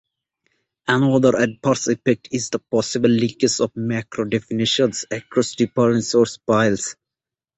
Another adverse effect is the possible leakage of macro definitions across different source files.